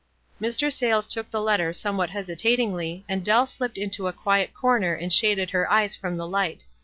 Mr. Sayles took the letter somewhat hesi tatingly, and Dell slipped into a quiet corner and shaded her eyes from the light.